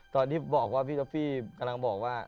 ตอนที่บอกว่าพี่ท็อฟฟี่กำลังบอกว่า